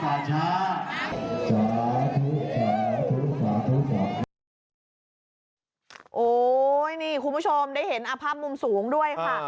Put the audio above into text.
โอ้โหนี่คุณผู้ชมได้เห็นภาพมุมสูงด้วยค่ะ